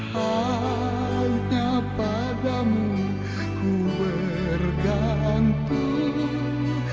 hanya padamu ku bergantung